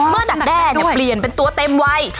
เมื่อดักแด้เนี่ยเปลี่ยนเป็นตัวเต็มวัย